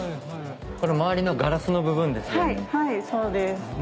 この周りのガラスの部分ですよね。